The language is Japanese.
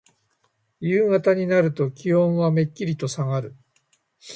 夕方になると気温はめっきりとさがる。